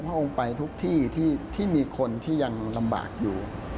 พระองค์ไปทุกที่ที่มีคนที่ยังลำบากอยู่